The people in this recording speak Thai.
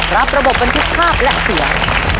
ระบบบันทึกภาพและเสียง